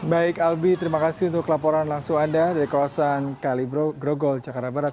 baik albi terima kasih untuk laporan langsung anda dari kawasan kali grogol jakarta barat